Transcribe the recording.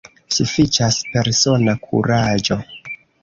Sufiĉas persona kuraĝo.